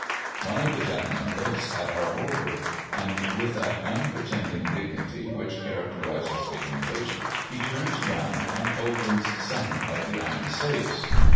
One of the gentlemen looks at our order, and, with that unpretending dignity which characterises the English, he turns round and opens some of the iron safes.